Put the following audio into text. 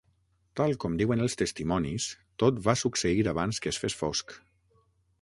Tal com diuen els testimonis, tot va succeir abans que es fes fosc.